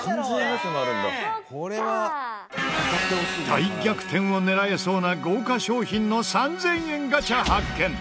大逆転を狙えそうな豪華商品の３０００円ガチャ発見！